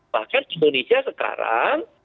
bahkan indonesia sekarang